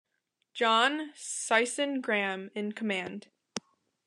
John Sisson Graham in command.